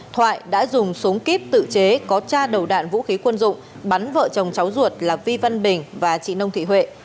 thoại đã dùng súng kíp tự chế có cha đầu đạn vũ khí quân dụng bắn vợ chồng cháu ruột là vi văn bình và chị nông thị huệ